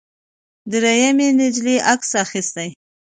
درېیمې نجلۍ عکس اخیست.